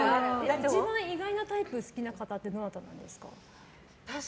一番、意外なタイプが好きな方ってどなたですか？